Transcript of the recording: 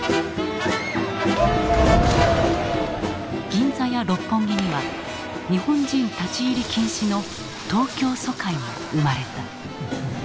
銀座や六本木には日本人立ち入り禁止の東京租界が生まれた。